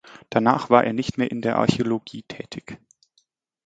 Danach war er nicht mehr in der Archäologie tätig.